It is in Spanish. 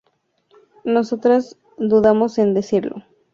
nosotras dudamos en decirlo